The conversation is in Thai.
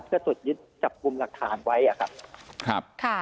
เพื่อตรวจยึดจับกลุ่มหลักฐานไว้อะครับ